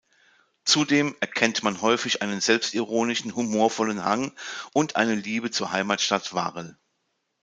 Zudem erkennt man häufig einen selbstironischen, humorvollen Hang und eine Liebe zur Heimatstadt Varel.